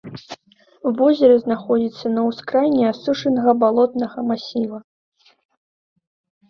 Возера знаходзіцца на ўскраіне асушанага балотнага масіва.